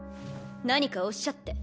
何かおっしゃって？